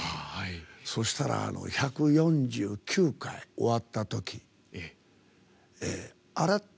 そしたら、１４９回終わったときあら？